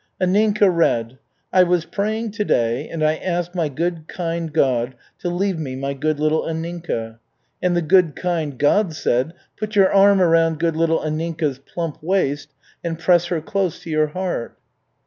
Anninka read: "I was praying to day, and I asked my good, kind God to leave me my good little Anninka. And the good, kind God said, 'Put your arm around good little Anninka's plump waist and press her close to your heart.'"